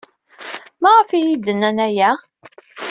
Maɣef ay iyi-d-nnan aya?